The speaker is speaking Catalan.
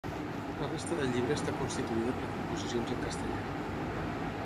La resta del llibre està constituïda per composicions en castellà.